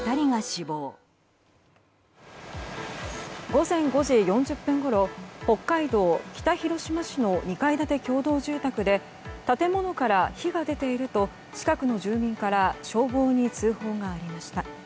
午前５時４０分ごろ北海道北広島市の２階建て共同住宅で建物から火が出ていると近くの住民から消防に通報がありました。